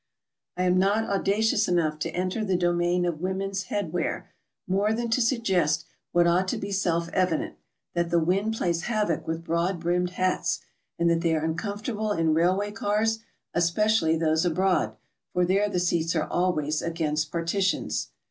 I am not audacious enough to enter the domain of women's headwear more than to suggest what ought to be self evident, that the wind plays havoc with broad brimmed hats, and that they are uncomfortable in railway cars, espe cially those abroad, for there the seats are always against partitions.